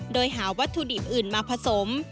โดยหาวัตถุดิบอื่นมาผสม